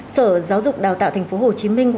sở giáo dục đào tạo thành phố hồ chí minh